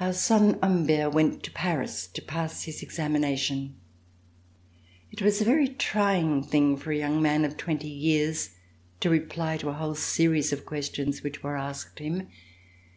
Our son Humbert went to Paris to pass his ex amination. It was a very trying thing for a young man of twenty years to reply to a whole series of questions which were asked him.